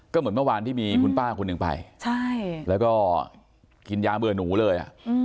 ก็เหมือนเมื่อวานที่มีคุณป้าคนหนึ่งไปแล้วก็กินยาเบื่อหนูเลย